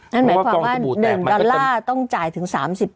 นั่นหมายความว่า๑ดอลลาร์ต้องจ่ายถึง๓๐